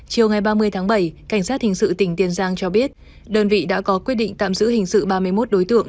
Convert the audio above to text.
chiều ngày ba mươi tháng bảy cảnh sát hình sự tỉnh tiền giang cho biết đơn vị đã có quyết định tạm giữ hình sự ba mươi một đối tượng